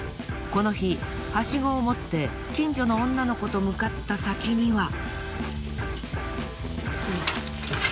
この日はしごを持って近所の女の子と向かった先には。